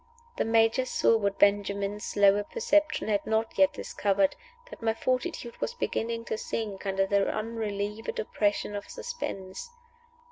The Major saw what Benjamin's slower perception had not yet discovered that my fortitude was beginning to sink under the unrelieved oppression of suspense.